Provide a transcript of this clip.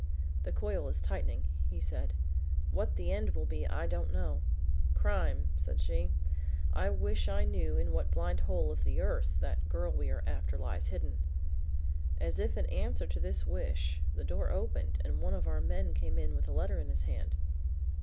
"The coil is tightening," said he. "What the end will be I don't know. Crime, said she? I wish I knew in what blind hole of the earth that girl we are after lies hidden." As if in answer to this wish the door opened and one of our men came in with a letter in his hand.